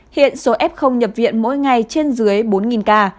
hiện số f không nhập viện mỗi ngày trên dưới bốn ca